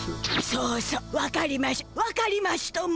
そうそうわかりましゅわかりましゅとも！